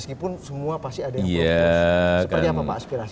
meskipun semua pasti ada yang beroperasi